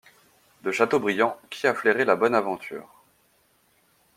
De Châteaubriand qui a flairé la bonne aventure.